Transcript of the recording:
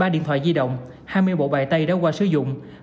ba điện thoại di động hai mươi bộ bài tay đã qua sử dụng